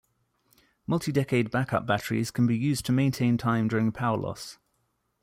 Multi-decade backup batteries can be used to maintain time during power loss.